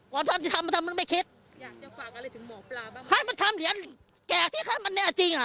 ก่อนที่ทำมันไม่คิด